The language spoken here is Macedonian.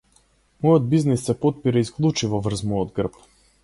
Мојот бизнис се потпира исклучиво врз мојот грб.